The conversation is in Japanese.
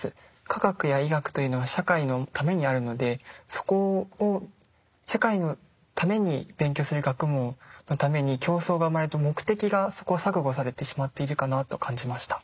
科学や医学というのは社会のためにあるのでそこを社会のために勉強する学問のために競争が生まれて目的が錯誤されてしまっているかなと感じました。